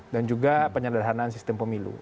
dan juga penyederhanaan sistem pemilu